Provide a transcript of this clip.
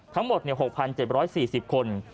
ทั้งหมด๖๗๔๐คน